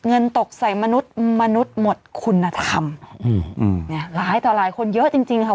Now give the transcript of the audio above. เงินตกใส่มนุษย์มนุษย์หมดคุณธรรมอืมเนี่ยหลายต่อหลายคนเยอะจริงจริงค่ะ